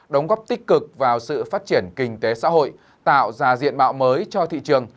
đóng góp tích cực vào sự phát triển kinh tế xã hội tạo ra diện mạo mới cho thị trường